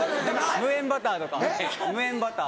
無塩バターとか無塩バター。